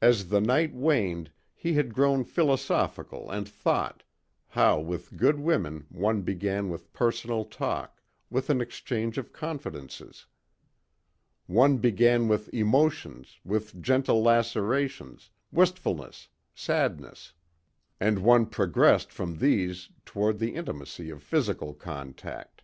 As the night waned he had grown philosophical and thought, how with good women one began with personal talk, with an exchange of confidences. One began with emotions, with gentle lacerations, wistfulness, sadness. And one progressed from these toward the intimacy of physical contact.